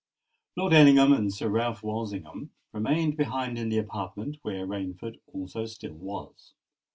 Lord Ellingham and Sir Ralph Walsingham remained behind in the apartment, where Rainford also still was.